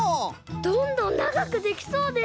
どんどんながくできそうです。